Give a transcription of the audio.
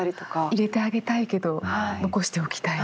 入れてあげたいけど残しておきたい。